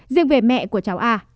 riêng về mẹ của cháu a